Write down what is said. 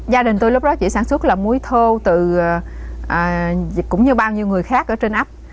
gia đình tôi lúc đó chỉ sản xuất là muối thô cũng như bao nhiêu người khác ở trên ấp